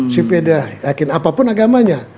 si pilih yakin apapun agamanya